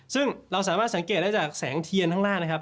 ซึ่งเราสามารถสังเกตได้จากแสงเทียนข้างล่างนะครับ